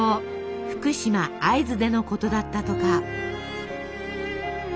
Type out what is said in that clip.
福島会津でのことだったとか。